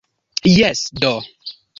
Jes do!